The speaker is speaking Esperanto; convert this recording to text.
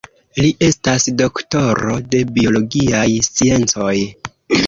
Li estas doktoro de biologiaj sciencoj.